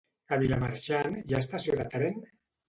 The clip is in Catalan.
A Vilamarxant hi ha estació de tren?